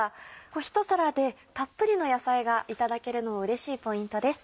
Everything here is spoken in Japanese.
ひと皿でたっぷりの野菜がいただけるのはうれしいポイントです。